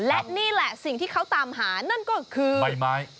และนี่แหละสิ่งที่เขาตามหานั่นก็คือใบไม้